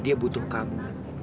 dia butuh kamu